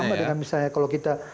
sama dengan misalnya kalau kita